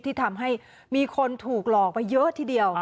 ที่ทำให้มีคนถูกหลอกไปเยอะทีเดียว